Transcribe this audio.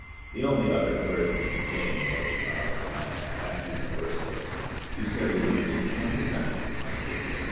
The only other clergyman who came was from out of town a half Universalist, who said he wouldn't give twenty cents for my figure.